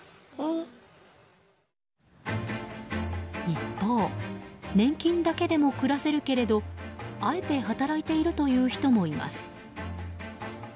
一方、年金だけでも暮らせるけれどあえて働いているという人もいます。